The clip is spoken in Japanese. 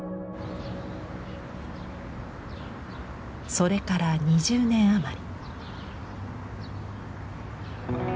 それから２０年余り。